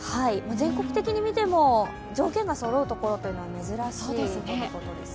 全国的に見ても条件がそろうとこは珍しいということです。